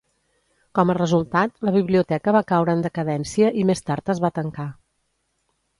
Com a resultat, la biblioteca va caure en decadència i més tard es va tancar.